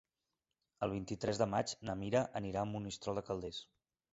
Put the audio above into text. El vint-i-tres de maig na Mira anirà a Monistrol de Calders.